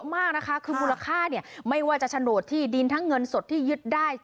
มากนะคะคือมูลค่าเนี่ยไม่ว่าจะโฉนดที่ดินทั้งเงินสดที่ยึดได้